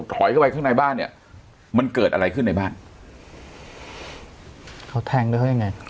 ถอยเข้าไปข้างในบ้านเนี่ยมันเกิดอะไรขึ้นในบ้านเขาแทงด้วยเขายังไง